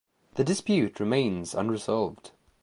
The dispute remains unresolved.